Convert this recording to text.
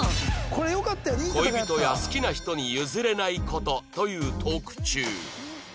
恋人や好きな人に譲れない事というトーク中